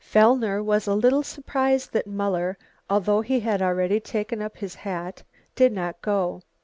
Fellner was a little surprised that Muller, although he had already taken up his hat, did not go.